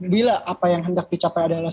bila apa yang hendak dicapai adalah